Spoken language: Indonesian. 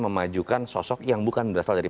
memajukan sosok yang bukan berasal dari